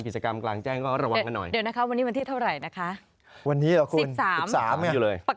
ปกติร้อนมากนะครับ